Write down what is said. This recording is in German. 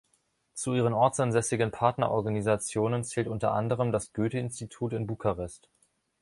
Zu ihren ortsansässigen Partnerorganisationen zählt unter anderem das Goethe-Institut in Bukarest.